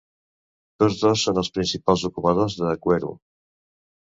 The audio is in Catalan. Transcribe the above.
Tots dos són els principals ocupadors de Gweru.